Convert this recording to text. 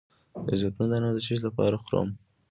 د زیتون دانه د څه لپاره مه خورم؟